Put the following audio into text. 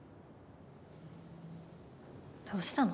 どうしたの？